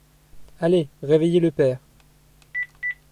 Allez réveiller le père.